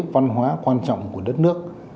văn hóa quan trọng của đất nước